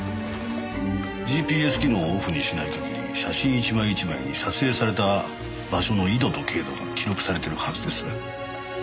ＧＰＳ機能をオフにしない限り写真１枚１枚に撮影された場所の緯度と経度が記録されてるはずです。